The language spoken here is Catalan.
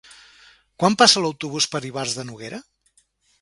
Quan passa l'autobús per Ivars de Noguera?